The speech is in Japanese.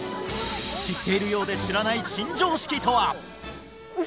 知っているようで知らない新常識とは？